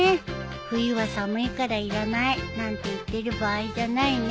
冬は寒いからいらないなんて言ってる場合じゃないね。